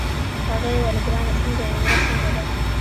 هغې وویل: ګرانه څنګه يې، ورځ څنګه ده؟